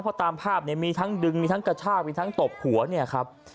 เพราะตามภาพเนี่ยมีทั้งดึงมีทั้งกระชากมีทั้งตบหัวเนี่ยครับ